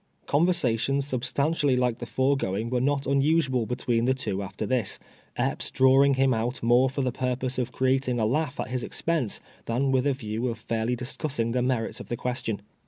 Conversations snbstantially like the foregoing were not unnsnal between the two after this ; Epps drawing him out more for the purpose of creating a laugh at his expense, than with a view of fairly discussing the merits of the question.